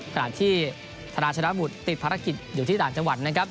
ขณะที่ธนาชนะบุตรติดภารกิจอยู่ที่ต่างจังหวัดนะครับ